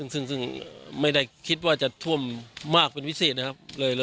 ซึ่งไม่ได้คิดว่าจะท่วมมากเป็นพิเศษนะครับ